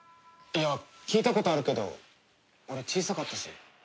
いや聞いたことあるけど俺小さかったし。